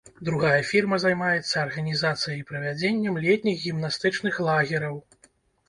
Другая фірма займаецца арганізацыяй і правядзеннем летніх гімнастычных лагераў.